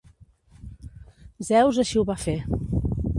Zeus així ho va fer.